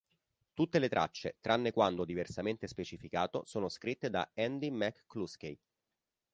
Tutte le tracce, tranne quando diversamente specificato, sono scritte da Andy McCluskey.